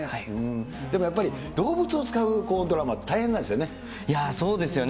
でもやっぱり、動物を使うドラマって大変なんですよね。